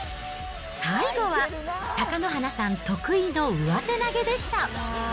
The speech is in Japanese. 最後は、貴乃花さん得意の上手投げでした。